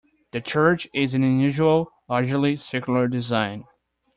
The church is an unusual, largely circular design.